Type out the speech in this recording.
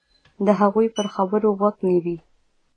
د هغوی پر خبرو غوږ نیوی.